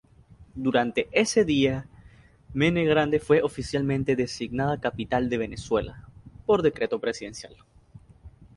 Durante ese día, Mene Grande fue oficialmente designada capital de Venezuela, por decreto presidencial.